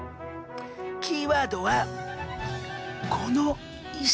キーワードはこの「石」。